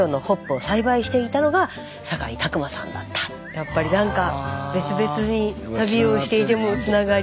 やっぱり何か別々に旅をしていてもつながり。